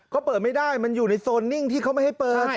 ก็เปิดไม่ได้มันอยู่ในโซนนิ่งที่เขาไม่ให้เปิด